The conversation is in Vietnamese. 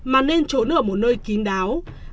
mà nên trốn ở một nơi kín đáo